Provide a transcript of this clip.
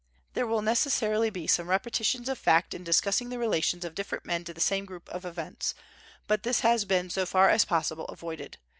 There will necessarily be some repetitions of fact in discussing the relations of different men to the same group of events, but this has been so far as possible avoided.